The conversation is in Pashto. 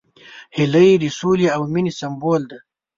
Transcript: هیلۍ د سولې او مینې سمبول ده